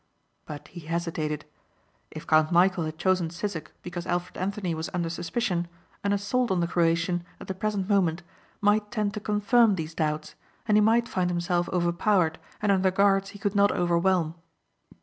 But he hesitated. If Count Michæl had chosen Sissek because Alfred Anthony was under suspicion an assault on the Croatian at the present moment might tend to confirm these doubts and he might find himself overpowered and under guards he could not overwhelm.